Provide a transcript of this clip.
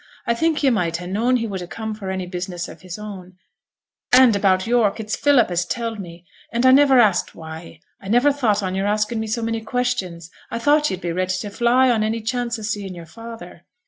I think yo' might ha' known he would ha' come for any business of his own; and, about York, it's Philip as telled me, and I never asked why. I never thought on yo'r asking me so many questions. I thought yo'd be ready to fly on any chance o' seeing your father.'